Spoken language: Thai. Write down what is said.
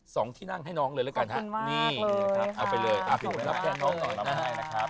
สองที่นั่งให้น้องเลยละกันฮะขอบคุณมากเลยค่ะเอาไปเลยขอบคุณมากเลย